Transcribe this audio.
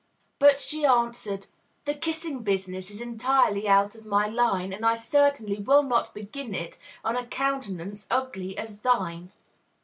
But she answered, "The kissing business Is entirely out of my line; And I certainly will not begin it On a countenance ugly as thine!"